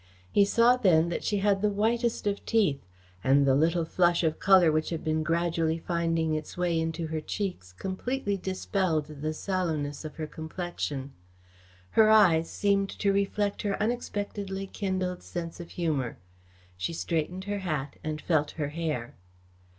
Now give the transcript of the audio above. He saw then that she had the whitest of teeth and the little flush of colour which had been gradually finding its way into her cheeks completely dispelled the sallowness of her complexion. Her eyes seemed to reflect her unexpectedly kindled sense of humour. She straightened her hat and felt her hair.